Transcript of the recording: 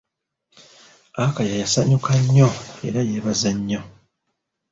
Akaya yasanyuka nnyo era yeebaza nnyo.